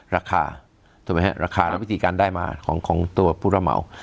ราคาถูกมั้ยฮะราคาและวิธีการได้มาของของตัวปุรเมา